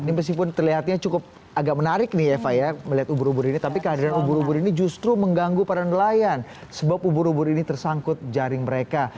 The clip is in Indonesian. ini meskipun terlihatnya cukup agak menarik nih eva ya melihat ubur ubur ini tapi kehadiran ubur ubur ini justru mengganggu para nelayan sebab ubur ubur ini tersangkut jaring mereka